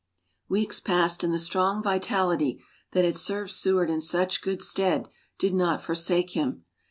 Weeks passed and the strong vitality that had served Seward in such good stead did not forsake him.